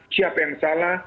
siapa yang salah